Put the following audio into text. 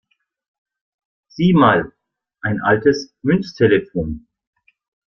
Sieh mal, ein altes Münztelefon!